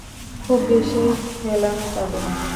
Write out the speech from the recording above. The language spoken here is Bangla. খুব বেশি হেলানো যাবে না।